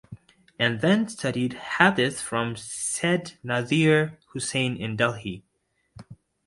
And then studied hadith from Syed Nazeer Husain in Delhi.